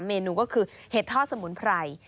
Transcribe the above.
เมนูก็คือเห็ดทอดสมุนไพร